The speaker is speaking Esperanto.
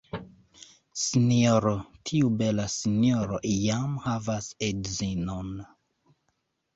Sinjoro, tiu bela sinjoro jam havas edzinon!